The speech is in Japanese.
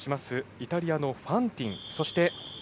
イタリアのファンティン。